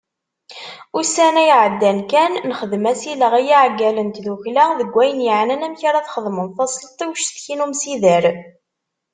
Ussan iɛeddan kan, nexdem asileɣ i yiɛeggalen n tddukkla deg wayen yeɛnan amek ara txedmeḍ tasleḍt i ucekti n umsider.